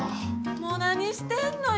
もう何してんのよ。